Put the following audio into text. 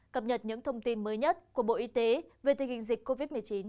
cập nhật những thông tin mới nhất của bộ y tế về tình hình dịch covid một mươi chín